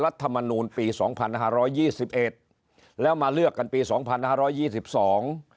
รัฐมนูลปีสองพันห้าร้อยยี่สิบเอ็ดแล้วมาเลือกกันปีสองพันห้าร้อยยี่สิบสอง